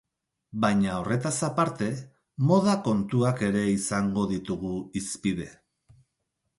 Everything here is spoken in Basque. Baina horretaz aparte, moda kontuak ere izango ditugu hizpide.